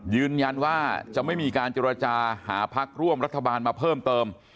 ยืนยันว่าจะไม่มีการเจรจาหาพักร่วมรัฐบาลมาเพิ่มเติม